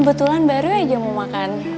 kebetulan baru aja mau makan